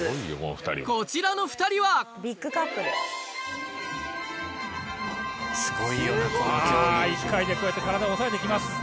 こちらの２人はあ一回でこうやって体をおさえてきます。